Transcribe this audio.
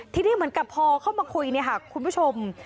ที่นี่เหมือนกับพ่อเข้ามาคุยคุณผู้ชม